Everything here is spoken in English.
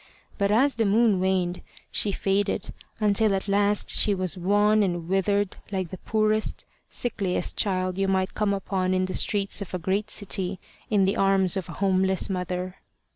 But as the moon waned, she faded, until at last she was wan and withered like the poorest, sickliest child you might come upon in the streets of a great city in the arms of a homeless mother.